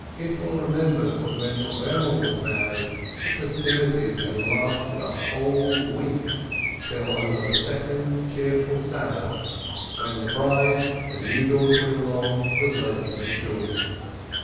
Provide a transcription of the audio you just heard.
10G SPEKTOR Gittel remembered that when Avremel was married, the festivities had lasted a whole week, till over the second cheerful Sabbath, when the bride, the new daughter in law, was led to the Shool